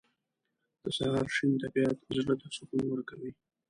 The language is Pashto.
• د سهار شین طبیعت زړه ته سکون ورکوي.